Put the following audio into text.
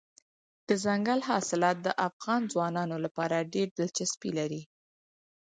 دځنګل حاصلات د افغان ځوانانو لپاره ډېره دلچسپي لري.